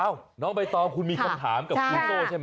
น้องใบตองคุณมีคำถามกับครูโซ่ใช่ไหม